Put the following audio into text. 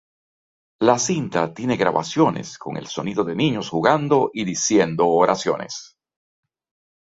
La cinta tiene grabaciones con el sonido de niños jugando y diciendo oraciones.